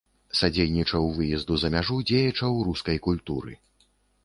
Садзейнічаў выезду за мяжу дзеячаў рускай культуры.